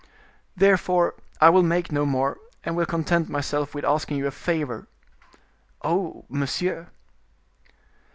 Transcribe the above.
"Therefore I will make no more, and will content myself with asking you a favor." "Oh, monsieur."